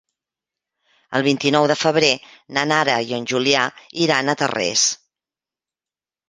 El vint-i-nou de febrer na Nara i en Julià iran a Tarrés.